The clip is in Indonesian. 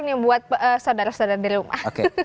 oh teaser buat saudara saudara di rumah